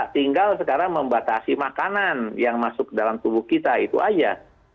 tinggal sekarang membatasi makanan yang masuk dalam tubuh kita itu aja